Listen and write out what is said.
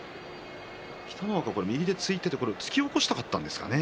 北の若は右で突き起こしたかったんですかね。